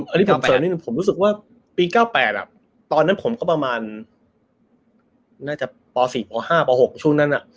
อันนี้ผมเสริมนิดนึงผมรู้สึกว่าปี๙๘ตอนนั้นผมก็ประมาณน่าจะป๔ป๕ป๖ช่วงนั้น